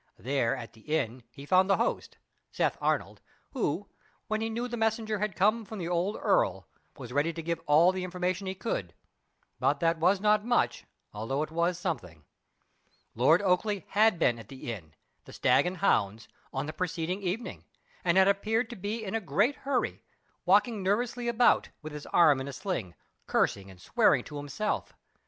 There at the inn, he found the host Seth Arnold, who, when he knew the messenger had come from the old earl, was ready to give all the information he could; but that was not much, although it was something. Lord Oakleigh had been at the inn the Stag and Hounds on the preceding evening, and had appeared to be in a great hurry, walking nervously about, with his arm in a sling, cursing and swearing to himself.